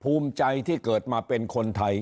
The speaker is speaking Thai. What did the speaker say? ภูมิใจที่เกิดมาเป็นคนไทย